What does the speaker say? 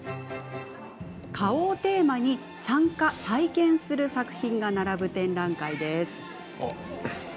顔をテーマに、参加、体験する作品が並ぶ展覧会です。